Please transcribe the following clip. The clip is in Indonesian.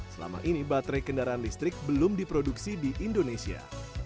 selama ini baterai kendaraan listrik belum diproduksi di indonesia